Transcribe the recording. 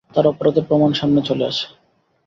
তার অপরাধের প্রমাণ সামনে চলে আসে।